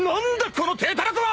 この体たらくは！